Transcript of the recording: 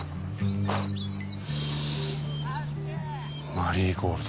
マリーゴールド。